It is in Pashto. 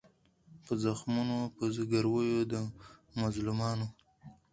په زخمونو په زګیروي د مظلومانو